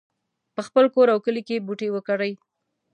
په خپل کور او کلي کې بوټي وکرئ